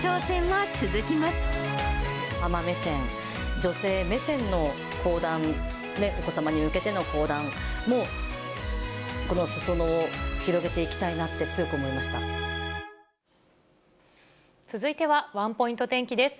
ママ目線、女性目線の講談で、お子様に向けての講談も、このすそ野を広げて続いてはワンポイント天気です。